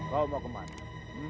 kau mau kemana